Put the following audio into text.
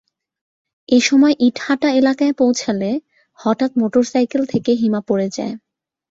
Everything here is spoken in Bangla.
এ সময় ইটাহাটা এলাকায় পৌঁছালে হঠাৎ মোটরসাইকেল থেকে হিমা পড়ে যায়।